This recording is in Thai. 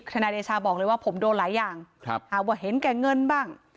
นายเดชาบอกเลยว่าผมโดนหลายอย่างหาว่าเห็นแก่เงินบ้าง